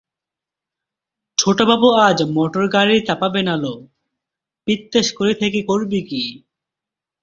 ছোটবাবু আজ মটরগাড়ি চাপাবে না লো, পিত্যেশ করে থেকে করবি কী?